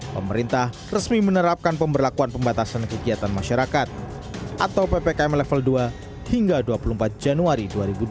pemerintah resmi menerapkan pemberlakuan pembatasan kegiatan masyarakat atau ppkm level dua hingga dua puluh empat januari dua ribu dua puluh